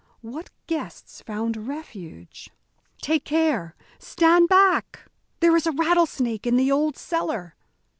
What guests found refuge "Take care! stand back! There is a rattlesnake in the old cellar."